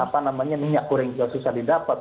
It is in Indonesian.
apa namanya minyak goreng juga susah didapat